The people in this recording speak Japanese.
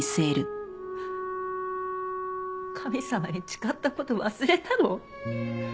神様に誓った事忘れたの？